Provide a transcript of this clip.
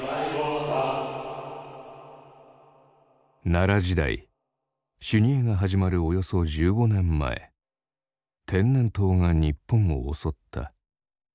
奈良時代修二会が始まるおよそ１５年前天然痘が日本を襲った。